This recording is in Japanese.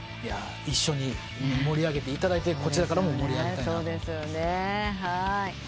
一緒に盛り上げていただいてこちらからも盛り上げたいなと。